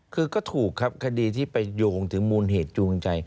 คือก็ถูกครับคดีที่ไปโยงถึงมูลเหตุจูงใจ